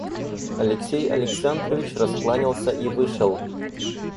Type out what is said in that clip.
Алексей Александрович раскланялся и вышел.